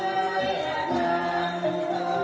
การทีลงเพลงสะดวกเพื่อความชุมภูมิของชาวไทย